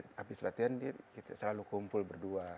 di latihan kita selalu kumpul berdua